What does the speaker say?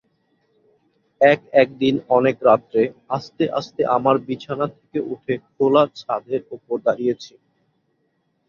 এক-একদিন অনেক রাত্রে আস্তে আস্তে আমার বিছানা থেকে উঠে খোলা ছাদের উপর দাঁড়িয়েছি।